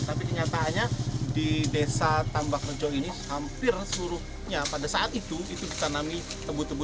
tapi kenyataannya di desa tambak rejo ini hampir seluruhnya pada saat itu itu ditanami tebu tebu